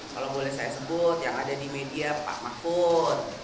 kalau boleh saya sebut yang ada di media pak mahfud